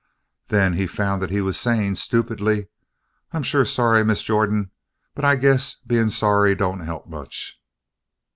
Then he found that he was saying stupidly: "I'm sure sorry, Miss Jordan. But I guess being sorry don't help much."